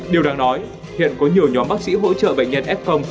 điều đáng nói hiện có nhiều nhóm bác sĩ hỗ trợ bệnh nhân f